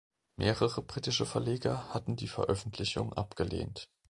Mehrere britische Verleger hatten die Veröffentlichung abgelehnt.